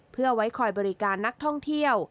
เพื่อไว้คอยบริการนักท่องเที่ยว